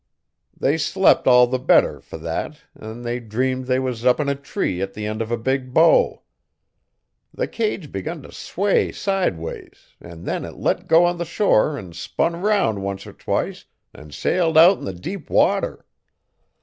They slep' all the better fer thet an' they dreamed they was up in a tree at the end uv a big bough. The cage begun t' sway sideways and then it let go o' the shore an' spun 'round once er twice an' sailed out 'n the deep water.